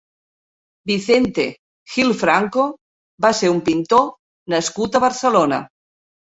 Vicente Gil-Franco va ser un pintor nascut a Barcelona.